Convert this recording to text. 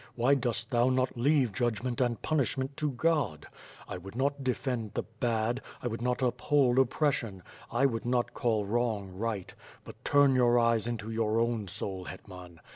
Why dost thou not leave judgment and punishment to God? I would not defend th^ bad, I would not uphold oppression; I would not call wrong right; but turn your eyes into your own soul, Hetman!